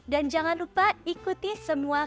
dan jangan lupa ikuti semua